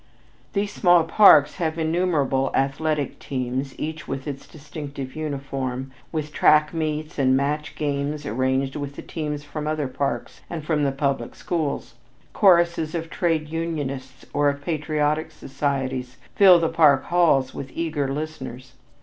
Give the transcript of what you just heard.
These small parks have innumerable athletic teams, each with its distinctive uniform, with track meets and match games arranged with the teams from other parks and from the public schools; choruses of trade unionists or of patriotic societies fill the park halls with eager listeners.